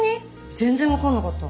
全然分かんなかった。